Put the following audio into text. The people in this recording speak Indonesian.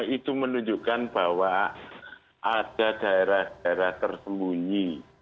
itu menunjukkan bahwa ada daerah daerah tersembunyi